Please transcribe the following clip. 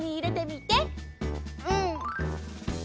うん。